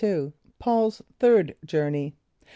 Paul's Third journey.